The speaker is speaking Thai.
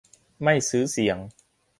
ไม่ซื้อเสียง